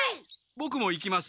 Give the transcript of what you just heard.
ボクも行きます。